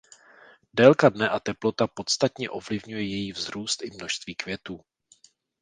Délka dne a teplota podstatně ovlivňuje její vzrůst i množství květů.